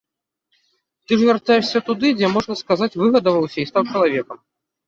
Ты ж вяртаешся туды, дзе, можна сказаць, выгадаваўся і стаў чалавекам.